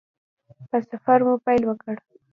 په سفر مو پیل وکړ.